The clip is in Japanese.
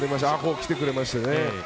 来てくれまして。